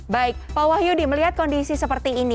baik pak wahyudi melihat kondisi seperti ini